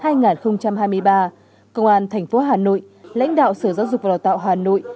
công an thành phố hà nội lãnh đạo sở giáo dục và đào tạo hà nội